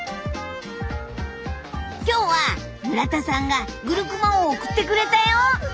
今日は村田さんがグルクマを送ってくれたよ。